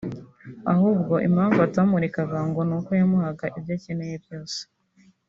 ahubwo impamvu atamurekaga ngo ni uko yamuhaga ibyo akeneye byose